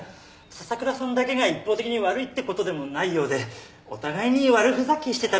笹倉さんだけが一方的に悪いってことでもないようでお互いに悪ふざけしてたみたいなんで。